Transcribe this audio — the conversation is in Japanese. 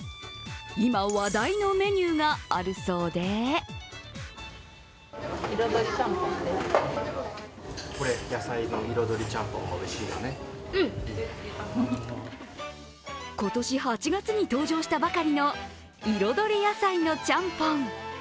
今話題のメニューがあるそうで今年８月に登場したばかりの彩り野菜のちゃんぽん。